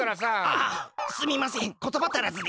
ああすみませんことばたらずで。